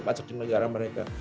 pajak di negara mereka